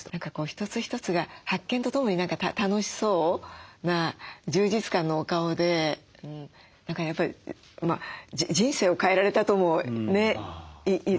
一つ一つが発見とともに楽しそうな充実感のお顔で何かやっぱり人生を変えられたともね言っていいと。